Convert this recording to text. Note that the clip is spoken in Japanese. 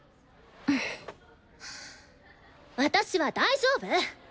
私は大丈夫！